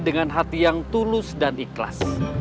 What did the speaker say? dengan hati yang tulus dan ikhlas